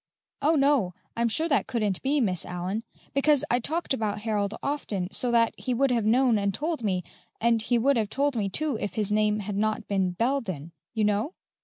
"Oh, no; I'm sure that couldn't be, Miss Allyn! Because I talked about Harold often, so that he would have known and told me, and he would have told me, too, if his name had not been Bel den, you know."